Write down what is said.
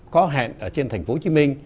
có hẹn ở trên thành phố hồ chí minh